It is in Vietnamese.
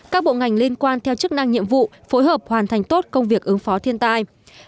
các bộ ngành liên quan theo chức năng nhiệm vụ phối hợp hoàn thành tốt công việc ứng phó thiên tai